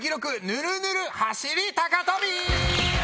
ぬるぬる走り高跳び！